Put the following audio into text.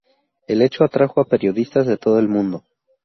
El hecho atrajo a periodistas de todo el mundo.